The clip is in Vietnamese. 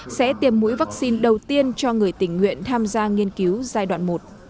dự kiến ngày một mươi bảy tháng một mươi hai sẽ tiêm mũi vaccine đầu tiên cho người tình nguyện tham gia nghiên cứu giai đoạn một